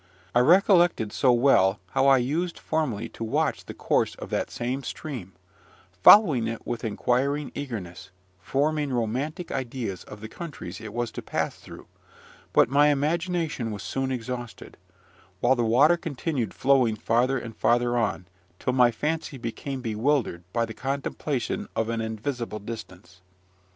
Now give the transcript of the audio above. I recollected so well how I used formerly to watch the course of that same stream, following it with inquiring eagerness, forming romantic ideas of the countries it was to pass through; but my imagination was soon exhausted: while the water continued flowing farther and farther on, till my fancy became bewildered by the contemplation of an invisible distance.